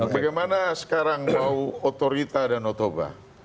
bagaimana sekarang mau otorita dan otoba